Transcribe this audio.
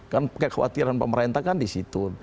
kan kekhawatiran pemerintah kan disitu